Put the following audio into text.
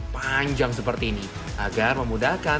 panjang seperti ini agar memudahkan